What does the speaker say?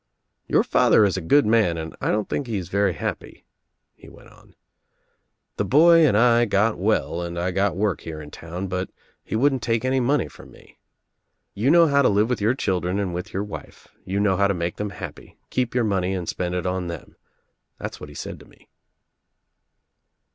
"Your father is a good man and I don't think he is very happy," he went on. "The boy and I got well and I got work here in town but he wouldn't take any money from me. 'You know how to live with your children and with your wife. You know how to make them happy. Keep your money and spend it on them,' that's what he said to me."